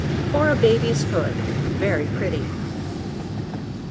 For a Baby's Hood very pretty.